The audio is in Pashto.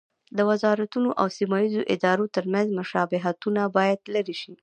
د وزارتونو او سیمه ییزو ادارو ترمنځ مشابهتونه باید لرې شي.